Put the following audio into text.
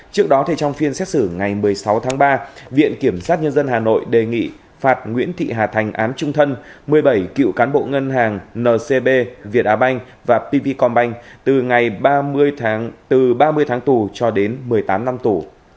trước đó thì trong phiên xét xử ngày một mươi sáu tháng ba viện kiểm sát nhân dân hà nội đề nghị phạt nguyễn thị hà thành án trung thân một mươi bảy cựu cán bộ ngân hàng ncb việt á banh và pp com banh từ ba mươi tháng tù cho đến một mươi tám năm tù